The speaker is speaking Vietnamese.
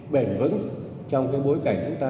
bền vững trong bối cảnh chúng ta